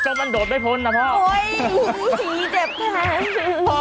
ก็มันโดดไม่พ้นนะพ่ออุ้ยจีเจ็บแพ้